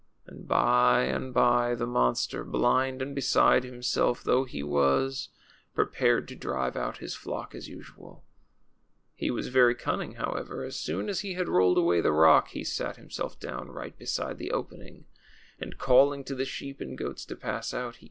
And by and by the monster, blind and beside himself though he was, pre pared to drive out his flock as usual. He Avas A^ery cunning, however. As soon as he had rolled aAvay the rock he sat himself down, right beside the opening, and calling to the sheep and goats to pass out, he